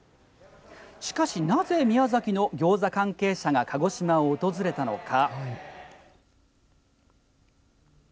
しかし、なぜ宮崎のギョーザ関係者が鹿児島を訪れたのか。